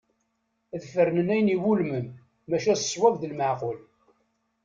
Ad fernen ayen i iwulmen maca s ṣṣwad d lmeɛqul.